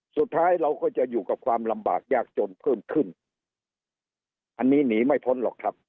สุดท้ายเราก็จะอยู่กับความลำบากยากจนเพิ่มขึ้นอันนี้หนีไม่พ้นหรอกครับ